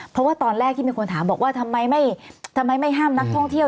เพราะว่าตอนแรกที่มีคนถามบอกว่าทำไมไม่ห้ามนักท่องเที่ยว